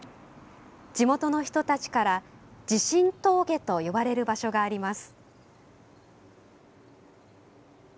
地元の人たちから地震峠と呼ばれる場所があります。